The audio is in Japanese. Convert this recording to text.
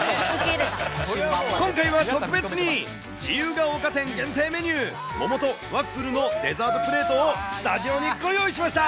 今回は特別に、自由が丘店限定メニュー、桃とワッフルのデザートプレートをスタジオにご用意しました。